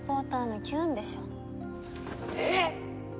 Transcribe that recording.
えっ！？